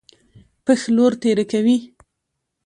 پښ لور تېره کوي.